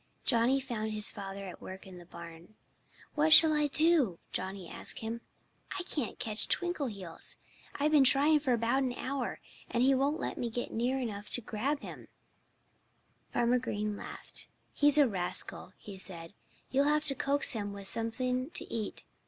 Johnnie found his father at work in the barn. "What shall I do?" Johnnie asked him. "I can't catch Twinkleheels. I've been trying for about an hour. And he won't let me get near enough to him to grab him." Farmer Green laughed. "He's a rascal," he said. "You'll have to coax him with something to eat.